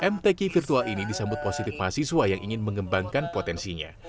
mtk virtual ini disambut positif mahasiswa yang ingin mengembangkan potensinya